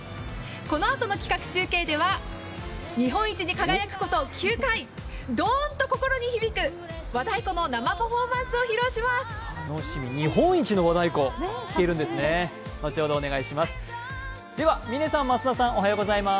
このあとの企画中継では、日本一に輝くこと９回、ドーンと心に響く和太鼓の生パフォーマンスを披露していただきます。